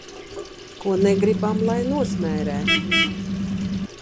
Ko negribam, lai nosmērē.